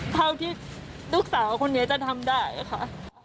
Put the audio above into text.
เท่าที่ลูกสาวคนนี้จะทำได้ค่ะ